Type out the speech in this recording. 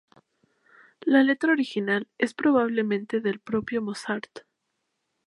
La letra original es probablemente del propio Mozart.